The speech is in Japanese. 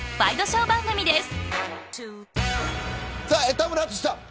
田村淳さん。